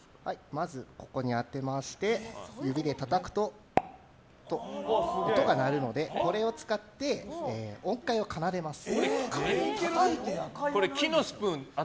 まずここに当てまして指でたたくと音が鳴るので、これを使って音階を奏でます。